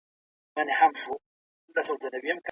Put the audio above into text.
لاس لیکنه خبرو ته د تلپاتې کیدو بڼه ورکوي.